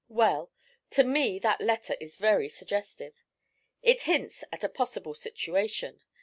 'Well, to me that letter is very suggestive. It hints at a possible situation.